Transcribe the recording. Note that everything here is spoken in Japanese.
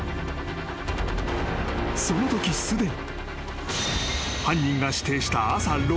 ［そのときすでに］